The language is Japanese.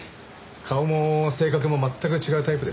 顔も性格も全く違うタイプです。